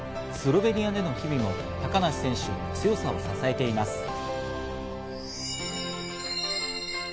スロベニアでの日々も高梨選手の強さを支えています。